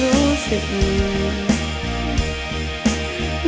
แล้วใจของเธอจะเปลี่ยนไป